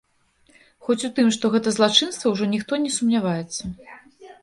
Хоць у тым, што гэта злачынства, ужо ніхто не сумняваецца.